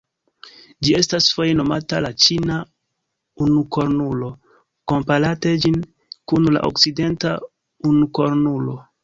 Ĝi estas foje nomata la "ĉina unukornulo", komparante ĝin kun la okcidenta unukornulo.